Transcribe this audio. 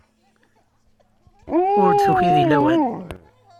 Ur d-tuki deg lawan.